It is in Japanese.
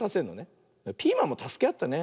ピーマンもたすけあってね。